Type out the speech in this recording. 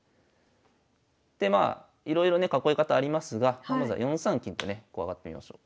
でまあいろいろね囲い方ありますがまずは４三金とね上がってみましょう。